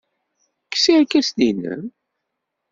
Kkes irkasen-nnem.